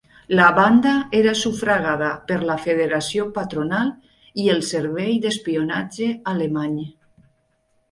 La banda era sufragada per la Federació Patronal i el servei d'espionatge alemany.